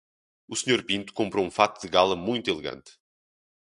O Sr. Pinto comprou um fato de gala muito elegante.